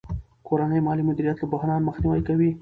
کورنی مالي مدیریت له بحران مخنیوی کوي.